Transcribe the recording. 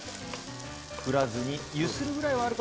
振らずにゆするぐらいはあるかもしれない。